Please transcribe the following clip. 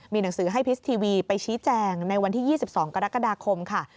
มีหนังสือให้พิสทีวีไปชี้แจงในวันที่๒๒กรกฎาคมค่ะ